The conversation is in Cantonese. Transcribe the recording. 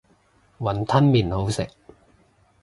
雲吞麵好食